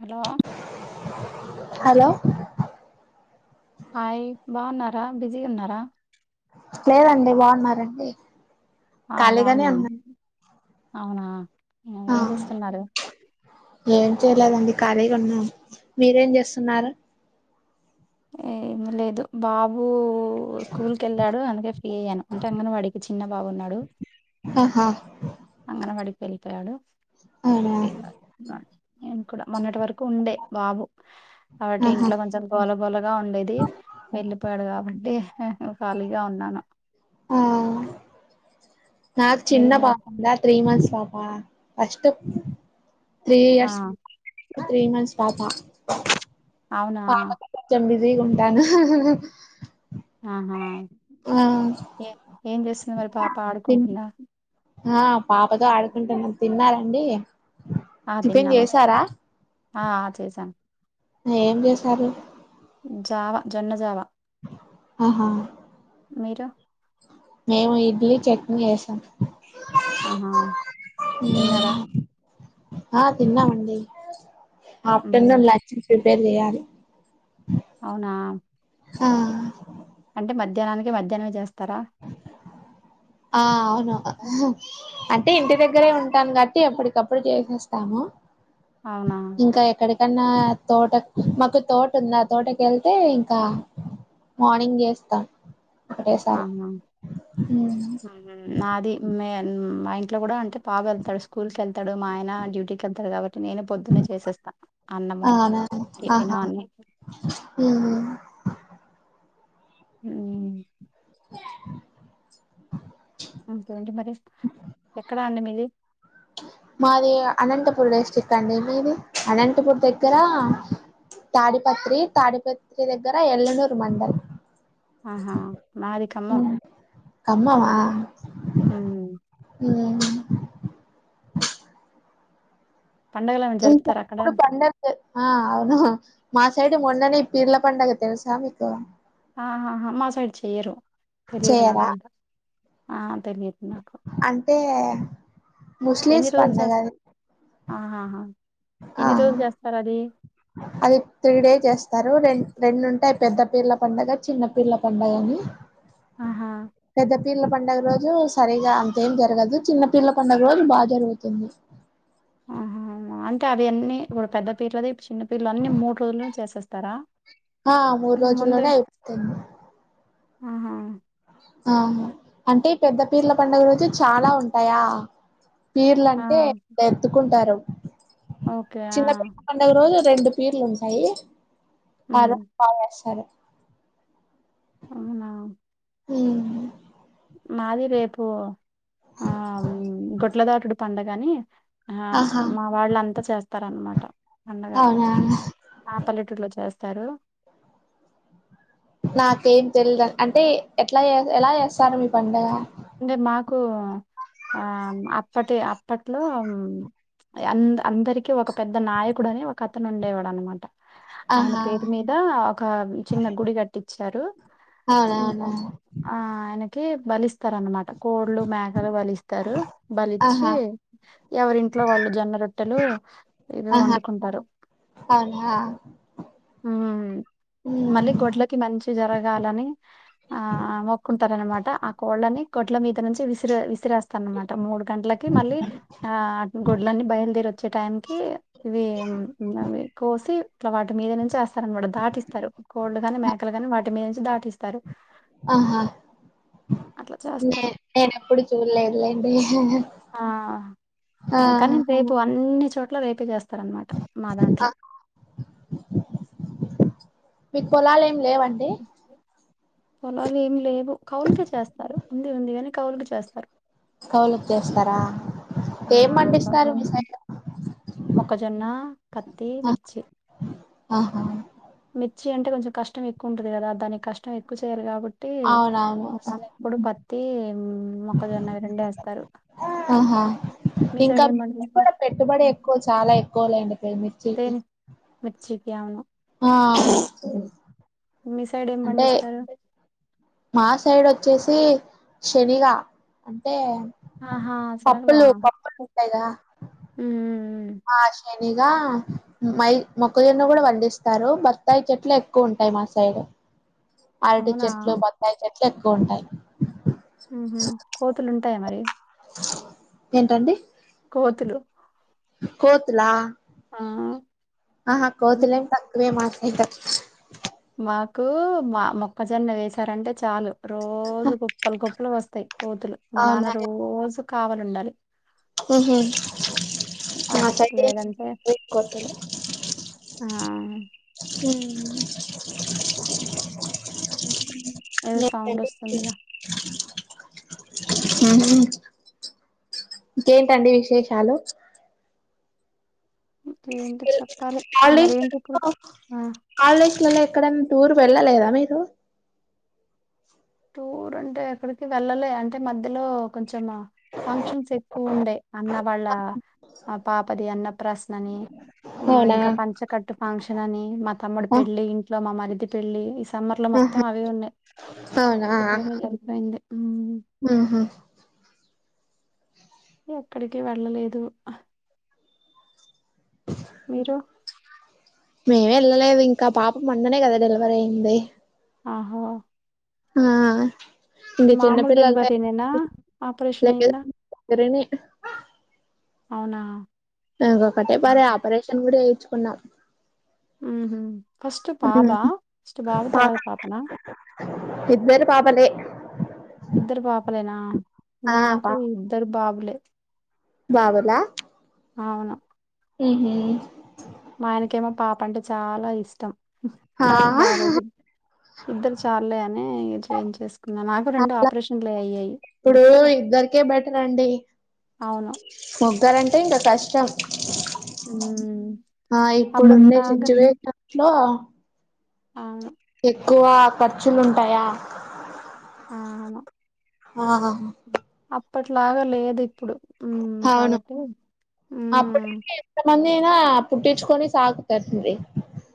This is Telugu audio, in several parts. హలో హలో హాయ్ బావున్నారా, బిజీగా ఉన్నారా. లేదండి, బావున్నారాండి? ఆ బావున్నాను, అవునా ఆ ఏం చేస్తున్నారు? ఏం చేయలేదండి ఖాళీగా ఉన్నాం. మీరేం చేస్తున్నారు? ఏమి లేదు, బాబు స్కూల్ కి ఎళ్ళాడు అందుకే ఫ్రీ అయ్యాను అంటే అంగన్వడికి చిన్న బాబు ఉన్నాడు. ఆహా అంగన్వడికి ఎళ్ళిపోయాడు. అవునా ఎంకాదు నా నేను కూడా మొన్నటి వరకు ఉండే బాబు. కాబట్టి ఆహా ఇంట్లో కొంచెం గోలగోలగా ఉండేది వెళ్ళిపోయాడు కాబట్టి ఖాళీగా ఉన్నాను. ఆ నాకు చిన్న మీరేం పాప చేస్ ఉందా త్రీ మంత్స్ పాప ఫస్ట్ త్రీ ఆ ఇయర్స్ త్రీ మంత్స్ పాపా అవునా పాపతో కొంచం బిజీగా ఉంటాను. ఆహా ఆ ఏ ఏం చేస్తుంది మరి పాప తిన్ ఆడుకుంటుందా. ఆ పాపతో ఆడుకుంటాన్నం, తిన్నారండి? ఆ టిఫిన్ తిన్నాము. చేసారా ఆ ఆ చేసాం. ఏం చేసారు? జావ జొన్న జావా. ఆహా మీరు? మేము ఇడ్లీ చట్నీ చేసాం. ఆహా తిన్నారా ఆ తిన్నామండి, మ్మ్ ఆఫ్టర్నూన్ లం చ్ ప్రిపేర్ చెయ్యాలి. అవునా ఆ అంటే మధ్యాహ్నానికి మధ్యాహ్నమే చేస్తరా? ఆ అవును. అంటే ఇంటి దగ్గరే ఉంటాను కాట్టి ఎప్పటికప్పుడు చేసేస్తాము. అవునా ఇంకా ఎక్కడికన్నా తోటకు మాకు తోట ఉంది ఆ తోటకెళ్తే ఇంకా మార్నింగ్ చేస్తాను ఆహా ఒకటేసారి. మ్మ్ నాది మే మా ఇంట్లో కూడా అంటే బాబు ఎళ్తాడు స్కూల్కి ఎళ్తాడు, మా ఆయన డ్యూటీకి ఎళ్తాడు కాబట్టి నేను పొద్దున్నే చేసేస్తా. అన్నము, టిఫిను అన్ని హ్ హ్ ఇంకేంటి మరి ఎక్కడా అండి మీది? మాది అనంతపూర్ డిస్ట్రిక్ట్ అండి మీది అనంతపూర్ దగ్గరా తాడిపత్రి, తాడిపత్రి దగ్గర ఎల్లనూరు మండల్. ఆహా మాది ఖమ్మం. ఖమ్మమా. మ్మ్ హ్ పండగలు ఏమైనా ఇంక జరుపుతారా అక్కడ ఎప్పుడు పండగ్ ఆ అవునా మా సైడ్ మొన్ననే పిర్ల పండగ తెలుసా మీకు ఆహహ మా సైడ్ చెయ్యరు తెలియదు చేయరా నాకంత ఆ తెలియదు నాకు అంటే ఎన్ని ముస్లిమ్స్ రోజులు పండగ చేస్త అది ఆహహా ఆ ఎన్ని రోజులు చేస్తారది అది త్రీ డేస్ చేస్తారు రె రెండ్ ఉంటాయ్ పెద్ద పిర్ల పండగ చిన్న పిర్ల పండగ అని ఆహా పెద్ద పీర్ల పండగ రోజు సరిగా అంతేం జరగదు చిన్న పీర్ల పండగ రోజు బాగా జరుగుతుంది ఆహా అంటే అవి అన్నీ ఇప్పుడు పెద్ద పీర్లది ఇప్పుడు చిన్న పీర్లు అన్ని మూడు రోజులో చేసేస్తారా ఆ మూడు అంటే ముందే రోజుల్లోనే అయిపోతుంది ఆహా ఆహా అంటే పెద్ద పీర్ల పండగ రోజు చాలా ఉంటాయా ఆ పీర్లంటే ఎత్తుకుంటారు ఓకే ఆ పండగ రోజులు రెండు పీర్లు ఉంటాయి ఉమ్ ఆరోజు బాచేస్తారు అవునా హ్మ్ మాది రేపు ఆ గొట్లదాటుడు పండగని ఆ ఆహా మావాళ్ళు అంతా చేస్తారన్నమాట పండగ అవునా ఆ పల్లెటూరులో చేస్తారు నాకేం తెల్దు అంటే ఎట్లా ఎలా చేస్తారు మీ పండుగ అంటే మాకు ఆ అప్పటి అప్పట్లో హ్మ్ అంద్ అందరికీ ఒక పెద్ద నాయకుడు అని ఒక అతను ఉండేవాడు అనమాట ఆయన ఆహా పేరు మీద ఒక చిన్న గుడి కట్టిచ్చారు అవునా అవునా ఆ ఆయనకి బలిస్తారన్నమాట కోళ్లు మేకలు బలిస్ తారు బలిచ్చి ఆహా ఎవరింట్లో వాళ్ళు జొన్న రొట్టెలు ఇవి ఆహా వండుకుంటారు అవునా హ్మ్ హ్మ్ మళ్ళీ గొడ్లకి మంచి జరగాలని ఆ మొక్కుంటారనమాట ఆ కోళ్ళని గొడ్ల మీదనుంచి విసిరే వి సిరేస్తాన్నమాట మూడు గంటలకి మళ్ళీ ఆ గోడ్లన్నీ బయలుదేరి వచ్చే టైంకి ఇవి అవి కోసి ఇట్లా వాటి మీద నుంచి ఏస్తారు అనమాట దాటిస్తారు కోళ్లు గానీ మేకలు కానీ వాటి మీద నుంచి దాటి స్తారు ఆహా అట్ల చేస్తారు నేనెప్పుడూ చూడ్లేదులేండి ఆ కానీ రేపు అన్ని చోట్ల రేపే చేస్తారనమాట మాదాంట్లో మీ పొలాలు ఏం లేవండి పొలాలు ఏం లేవు కౌలికి చేస్తారు ఉంది ఉంది కాని కౌలుకి చేస్తారు కౌలుకి చేస్తారా ఆ ఏం పండిస్తారు మీ కౌలు సైడు మొక్కజొన్న పత్తి మిర్చి ఆహా మిర్చి అంటే కొంచెం కష్టం ఎక్కువ ఉంటది కదా దాని క ష్ట ఎక్కువ‌ చెయ్యరు కాబట్టి అవునవును [unintelligible] ఇప్పుడు బక్తి హ్మ్ మొక్కజొన్న అవి రెండేస్తారు ఆహా ఇంకా మీ కూడా పండిస్తారు పెట్టుబడి ఎక్కువ చాలా ఎక్కువ లేండి మీకు తేని మిర్చికేవు ఆ మీ సైడ్ ఏం అంటే పండిస్తారు మా సైడ్ వచ్చేసి శనిగా అంటే ఆహా సెనగలా పప్పులు పప్పులు ఉంటాయి కదా ఊహు ఆ శని ఇగా మై మొక్కజొన్న కూడా పండిస్తారు బత్తాయి చెట్లు ఎక్కువ ఉంటాయి మా సైడ్ అరటి అవునా చెట్లు బత్తాయి చెట్లు ఎక్కువ ఉంటాయి. ఉహు కోతులు ఉంటాయా మరి ఏంటండి కోతులు కోతులా ఆ ఆహా కోతులం తక్కువే మాకైతే మాకు మా మొక్కజొన్న వేసారంటే చాలు రోజు కుప్పలు కుప్పలు వస్తాయి. కోతులు మా నాన్న అవునా రోజు కావలి ఉండాలి. ఊహు మా దగ్గరైతే లేదంటే [unintelligible] కోతులు ఆ హ్మ్ ఏదో సౌండ్ వస్తుందిగా. [inaudible] ఆహా ఇంకేంటండి విశేషాలు ఏంటి చెప్పాలి మరేంటి ఇప్పుడు ఆ కాలేజ్లలో ఎక్కడన్నా టూర్ వెళ్ళలేదా మీరు టూర్ అంటే ఎక్కడికి వెళ్ళలే అంటే మధ్యలో కొంచెం ఫంక్షన్స్ ఎక్కువ ఉండే అన్న వాళ్ళ ఆ పాపది అన్నప్రాసన అని ఆ అవునా ఇంకా పంచకట్టు ఫంక్షన్ అని మా తమ్ముడు పెళ్ళి ఇమా మరిది పెళ్లి ఈ సమ్మర్ లో మొత్తం ఆహా అవి ఉన్నాయి్ అవునా ఎట్నూ పోయి జరిగిపోయింది హ్మ్. వుహ ఎక్కడికి వెళ్ళలేదు. మీరు మేమె లెయ్యలేదు ఇంకా పాపం మొన్ననే కదా డెలివరీ అయ్యింది. ఆహో ఆ ఇంకా మామూలు చిన్నపిల్లలతో డెలివరీనేనా ఆపరేషన్ లేదా అయిందా గుడీవిని అవునా ఇంకొకటే పర ఆపరేషన్ కూడా చేయించుకున్నాం. వుహు ఫస్ట్ పాబా ఫస్ట్ బాబు పాప తర్వాత పాపనా ఇద్దరు పాపలే ఇద్దరు పాపలేనా ఆ నాకు ఇద్దరు బాబులే బాబుల అవును హు హమ్ మా ఆయనకేమో పాప అంటే చాలా ఇష్టం కానీ ఆహా బాబు ఇద్దరు చాలలేే అని చేంజ్ చేస్ నాకు రెండు అట్లా ఆపరేషన్లే అయ్యాయి ఇప్పుడు అందుకే ఇద్దరికే అవును ముగ్గారంటే ఇంకా కష్టం ఉమ్ ఆ ఇప్పుడు ఉండ అప్పట్లాగా సిచ్యువేషన్ లో అవును ఎక్కువ ఖర్చులు ఉంటాయా ఆమ్మ ఆ అప్పట్లాగా లేదు ఇప్పుడు ఉమ్ హవును కాబట్టి ఉమ్ ఎంతమంది అయినా పుట్టించుకొని సాగుతారండి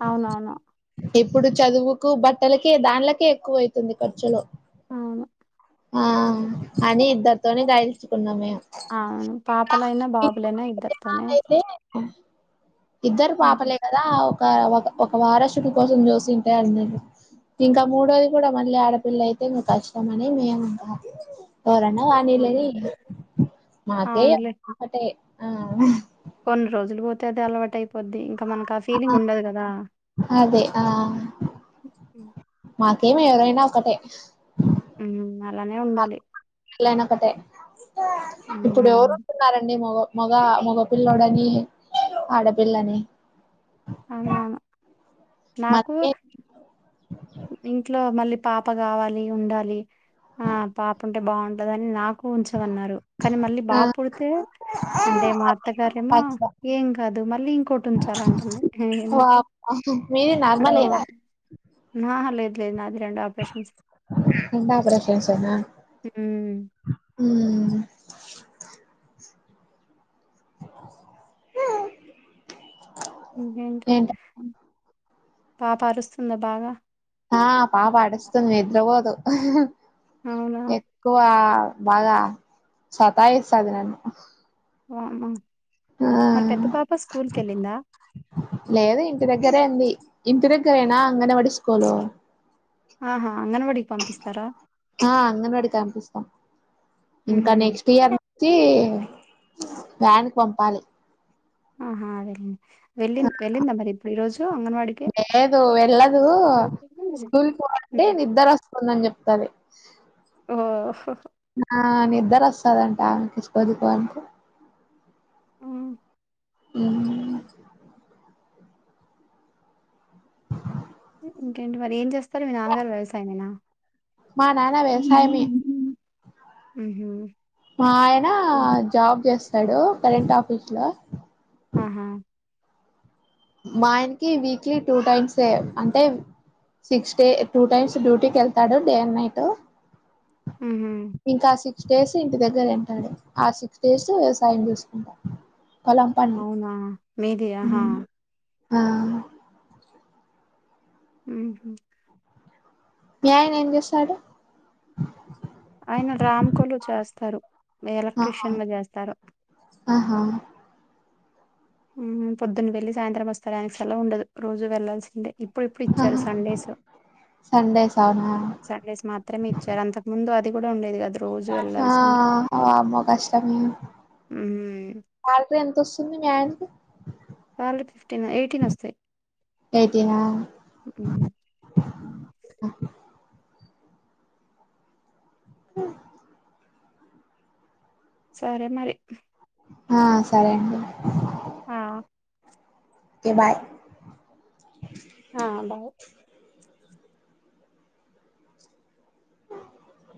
అవునవును ఇప్పుడు చదువుకు బట్టలకే దాంట్లకే ఎక్కువ అవుతుంది ఖర్చులో అవును ఆ అని ఇద్దరితోనే గాయించుకున్నాం మేము అవును పాపలయినా బాబులైనా ఇద్దరుతోనే అయితే ఇద్దరు ఉమ్, పాపలే కదా ఒక ఒక ఒక వారస్ [unintelligible] ఇంకా మూడోది కూడా మళ్ళీ ఆడపిల్ల అయితే మీకు కష్టం అని మేము ఇంక ఎవరైనా ఉన్నిలే అనీ ఉమ్, మా అత్తయ్య అవునులే ఒక్కటే కొన్ని రోజులు పోతే అదే అలవాటు అయిపోద్ది ఇంకా మనకు ఆ ఫీలింగ్ ఉండదు కదా అదే ఆ మాకేమి ఎవరైనా ఒకటే ఉమ్ అలానే ఉండాలి ఎలానొక్కటే ఉమ్ ఇప్పుడు ఎవరు ఉంటున్నారండి మగ మగ మగపిల్ల్లోడని ఆడపిల్లని అవునవును నాకు మనకే ఇంట్లో మళ్ళీ పాప కావాలి ఉండాలి ఆ పాప ఉంటే బాగుంటదనీ నాకు ఉంచమన్నారు కానీ మళ్ళీ ఆ బాబ్ పుడితే అంటే మా అత్తగారేమో ఏం కాదు మళ్ళీ ఇంకోటి ఉంచాలంటుంది ఎందుకు వామ్మో మీది నార్మలేనా ఆ లేదు లేదు నాది రెండో హ్మ్. [unintelligible] హ్మ్ హు హ ఇంకేంటి పాప అరుస్తుందా బాగా ఆ పాప ఆడుస్తుంది నిద్రపోదు అవునా! ఎక్కువ బాగా సతాయిస్తాది నన్ను అహ మరి ఆ పెద్ద పాప స్కూల్కి వెళ్ళిందా లేదు ఇంటి దగ్గరే ఉంది ఇంటి దగ్గరేనా అంగన్ వాడి స్కూలు ఆహా అంగన్వాడీకి పంపిస్తారా ఆ అంగన్వాడికి కంపిస్తాం ఇంకా హుహు. నెక్స్ట్ ఇయర్ తే వ్యాన్కి పంపాలి ఆహా వెళ్ళ వెళ్లిి వెళ్లిందా మరి ఇప్పుడు ఈ రోజు అంగన్వాడి లేదు వెళ్ళదు స్కూల్ కి పోవాలంటే హ్మ్. నిద్దర వస్తుందని చెప్తది మ్మ్ నా నిద్దర వస్తదంట ఆమె తీసుకోదు [inaudible] హ్మ్. మ్మ్ ఇంకేంటి మరి ఏం చేస్తారు మీ నాన్నగారు వ్యవసాయమేనా మా నాన్న వ్యవసాయమే హుహు. హుహు. మా ఆయన జాబ్ చేస్తాడు కరెంట్ ఆఫీస్ లో ఆహా మా ఆయనకి వీక్లీ టూ టైమ్సే అంటే సిక్స్ డే టూ టైమ్స్ డ్యూటీకి వెళ్తాడు డే అండ్ నైట్ హుహు. ఇంకా సిక్ క్స్ డేస్ ఇంటి దగ్గరే ఉంటాడు ఆ సిక్స్ డేస్ వ్యవసాయం చూసుకుంటాం అవునా మీది ఆహా ఆ మ్మ్ మీ ఆయన ఏం చేస్తాడు ఆయన రామ్కోలు చేస్తారు ఆహా ఎలక్ట్రిషియన్ గా చేస్తారు ఆహా పొద్దున్న వెళ్లి సాయంత్రం వస్తాడు ఆయనకి సెలవు ఉండదు రోజు వెళ్లాల్సిందే ఇప్పుడిప్పుడు ఇచ్చారు ఆహా సండేస్ స సండేస్ అవునా సండేస్ మాత్రమే ఇచ్చారు అంతకు ముందు అది కూడా ఉండేది కాదు ఆ ఆమే గష్టమి హ్మ్. సాలరీ ఎంతొస్తుంది మీ ఆయనకి శాలరీ ఫిఫ్టీన్ ఎయిటీన్ వస్తాయి ఎయిటీనా మ్మ్ మ్మ్ సరే మరి ఆ సరే అండి ఆ ఓకే బాయ్ ఆ బాయ్